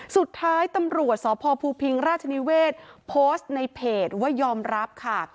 สุดท้ายตำรวจสพภูพิงราชนิเวศโพสต์ในเพจว่ายอมรับค่ะ